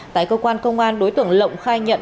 tại cơ quan công an đối tượng lộng khai nhận